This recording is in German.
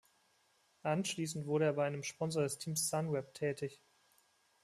Anschließend wurde er bei einem Sponsor des Teams Sunweb tätig.